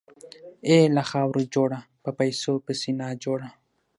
اې له خاورو جوړه، په پيسو پسې ناجوړه !